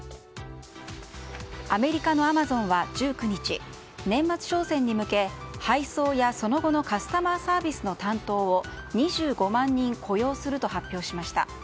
アメリカのアマゾンは１９日年末商戦に向け配送やその後のカスタマーサービスの担当を２５万人雇用すると発表しました。